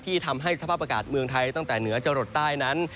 ทำให้สภาพอากาศเมืองไทยตั้งแต่เหนือจรดใต้นั้น